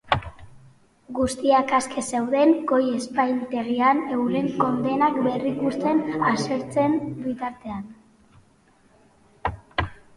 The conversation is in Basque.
Guztiak aske zeuden goi epaitegiak euren kondenak berrikusten aztertzen bitartean.